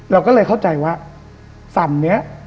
เราก็เลยเข้าใจว่าสั่นนี้